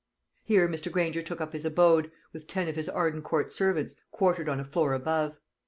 Here Mr. Granger took up his abode, with ten of his Arden Court servants quartered on a floor above.